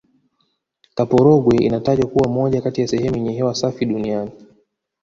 kaporogwe inatajwa kuwa moja kati ya sehemu yenye hewa safi duniani